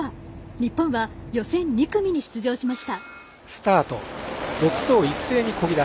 日本は予選２組に出場しました。